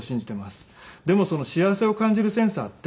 でもその幸せを感じるセンサーって。